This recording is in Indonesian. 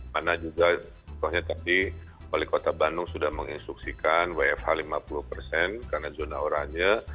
mana juga contohnya tadi wali kota bandung sudah menginstruksikan wfh lima puluh persen karena zona oranye